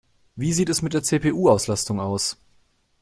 Wie sieht es mit der CPU-Auslastung aus?